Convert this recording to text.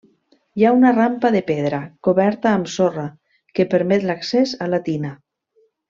Hi ha una rampa de pedra, coberta amb sorra, que permet l'accés a la tina.